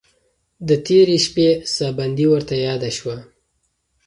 د تېرې شپې ساه بندي ورته یاده شوه.